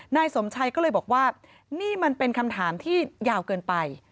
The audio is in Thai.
นายสมชัยก็เลยบอกว่านี่มันเป็นคำถามที่ยาวเกินไป